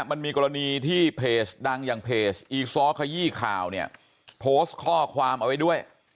มันมีกรณีที่เพจดังอย่างเพจอีซ้อขยี้ข่าวเนี่ยโพสต์ข้อความเอาไว้ด้วย